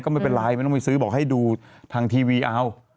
ก็ไม่เป็นไรไม่ต้องไปซื้อบอกให้ดูทางทีวีเอา